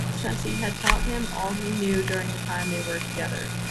Since he had taught him all he knew during the time they were together.